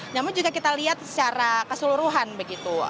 namun juga kita lihat secara keseluruhan begitu